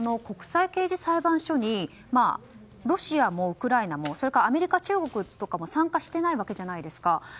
国際刑事裁判所にロシアもウクライナもそれからアメリカ、中国とかも参加してないわけじゃないですか。